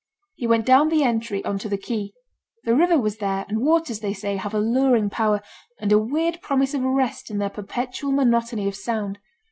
He went down the entry on to the quay. The river was there, and waters, they say, have a luring power, and a weird promise of rest in their perpetual monotony of sound.